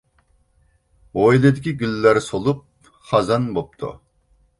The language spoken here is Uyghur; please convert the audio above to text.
ھويلىدىكى گۈللەر سولۇپ خازان بوپتۇ.